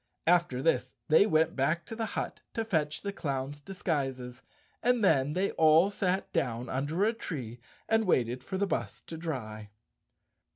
After this they went back to the hut to fetch the clown's dis¬ guises, and then they all sat down under a tree and 198 Chapter Fourteen waited for the bus to dry.